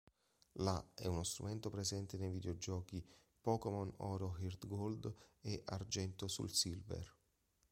La è uno strumento presente nei videogiochi "Pokémon Oro HeartGold e Argento SoulSilver".